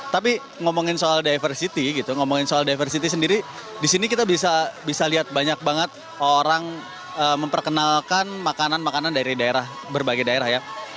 tapi ngomongin soal diversity gitu ngomongin soal diversity sendiri di sini kita bisa lihat banyak banget orang memperkenalkan makanan makanan dari daerah berbagai daerah ya